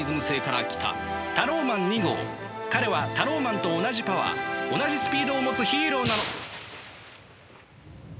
彼はタローマンと同じパワー同じスピードを持つヒーローなの。